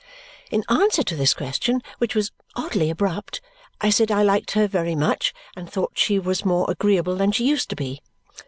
In answer to this question, which was oddly abrupt, I said I liked her very much and thought she was more agreeable than she used to be.